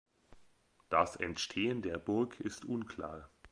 Das Entstehen der Burg ist unklar.